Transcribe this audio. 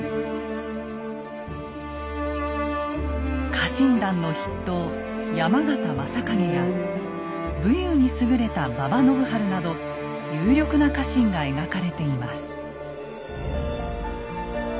家臣団の筆頭山県昌景や武勇に優れた馬場信春など有力な家臣が描かれています。